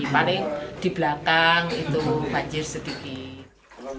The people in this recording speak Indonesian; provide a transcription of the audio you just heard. paling di belakang itu banjir sedikit